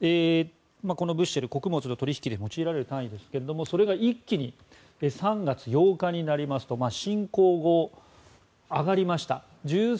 このブッシェル穀物の取引で用いられる単位ですけれどもそれが一気に３月８日になると侵攻後、上がりました。